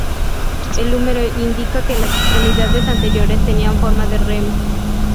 El húmero indica que las extremidades anteriores tenían forma de remo.